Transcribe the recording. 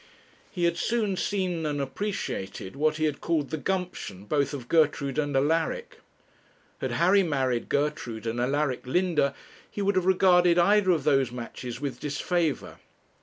He had soon seen and appreciated what he had called the 'gumption' both of Gertrude and Alaric. Had Harry married Gertrude, and Alaric Linda, he would have regarded either of those matches with disfavour.